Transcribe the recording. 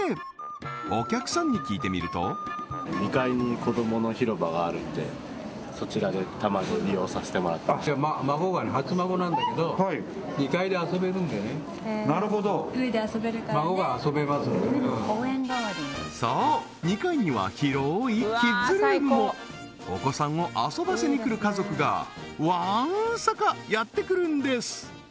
お客さんに聞いてみると初孫なんだけど孫が遊べますのでそう２階には広いキッズルームもお子さんを遊ばせに来る家族がわんさかやって来るんです！